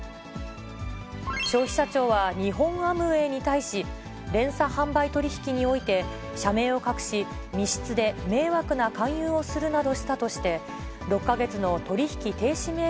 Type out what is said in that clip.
消費者庁は日本アムウェイに対し、連鎖販売取り引きにおいて、社名を隠し、密室で迷惑な勧誘をするなどしたとして、６か月の取り引き停止命